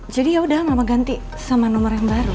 jadi yaudah mama ganti sama nomor yang baru